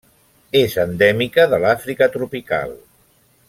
És endèmica de l'Àfrica tropical.